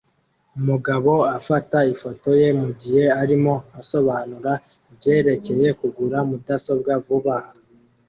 Umugabo afata ifoto ye mugihe arimo asobanura ibyerekeye kugura mudasobwa vuba aha